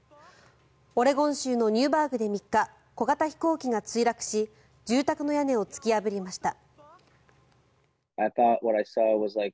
オレゴン州のニューバーグで３日小型飛行機が墜落し住宅の屋根を突き破りました。